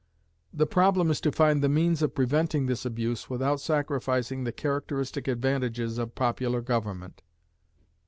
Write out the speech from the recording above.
The problem is to find the means of preventing this abuse without sacrificing the characteristic advantages of popular government.